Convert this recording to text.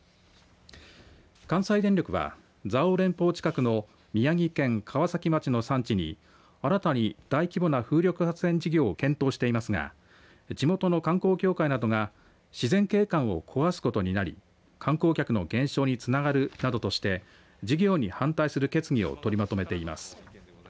関西電力は蔵王連峰近くの宮城県川崎町の山地に新たに大規模な風力発電事業を検討していますが地元の観光協会などが自然景観を壊すことになり観光客の減少につながるなどとして事業に反対する決議を取りまとめています。